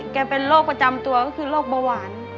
เป็นโรคประจำตัวก็คือโรคเบาหวาน